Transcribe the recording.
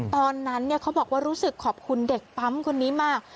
ตอนนั้นเขาบอกว่ารู้สึกขอบคุณเด็กปั๊มคนนี้มาก